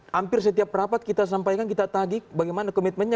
hampir setiap rapat kita sampaikan kita tagik bagaimana komitmennya